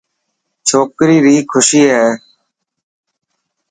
ڇوڪري ري خوشي هي.